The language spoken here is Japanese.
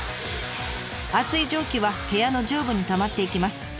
熱い蒸気は部屋の上部にたまっていきます。